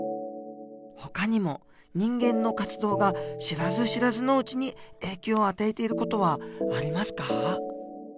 ほかにも人間の活動が知らず知らずのうちに影響を与えている事はありますか？